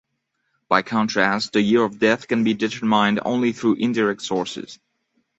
By contrast, the year of death can be determined only through indirect sources.